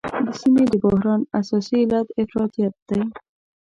د سیمې د بحران اساسي علت افراطیت دی.